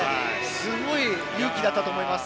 すごい勇気だったと思います。